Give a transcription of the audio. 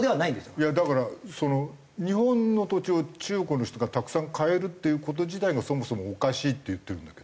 いやだから日本の土地を中国の人がたくさん買えるっていう事自体がそもそもおかしいって言ってるんだけど。